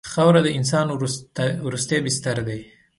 خاوره د انسان وروستی بستر دی.